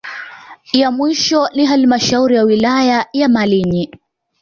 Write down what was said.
Ya mwisho ni halmashauri ya wilaya ya Malinyi